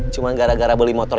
cuma gara gara beli motor